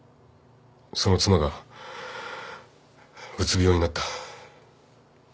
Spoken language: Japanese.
その妻がうつ病になった。